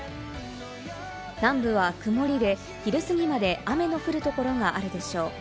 南部は曇りで、昼すぎまで雨の降るところがあるでしょう。